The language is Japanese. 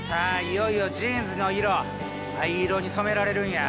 いよいよジーンズの色藍色に染められるんや！